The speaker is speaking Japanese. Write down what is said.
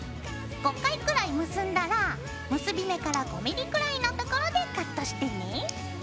５回くらい結んだら結び目から５ｍｍくらいのところでカットしてね。